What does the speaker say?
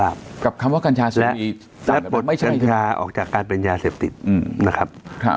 และปลดกัญชาออกจากการเป็นยาเสพติดนะครับ